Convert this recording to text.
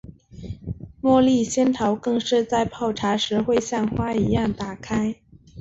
茉莉仙桃更是在泡茶时会像花一样打开。